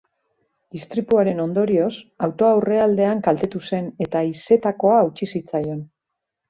Istripuaren ondorioz, autoa aurrealdean kaltetu zen eta haizetakoa hautsi zitzaion.